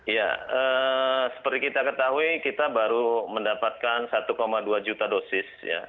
ya seperti kita ketahui kita baru mendapatkan satu dua juta dosis